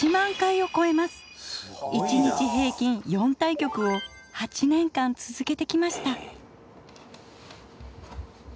１日平均４対局を８年間続けてきました。